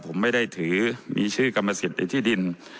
ผมไม่ได้ถือมีชื่อกรรมสิทธิ์ในที่ดิน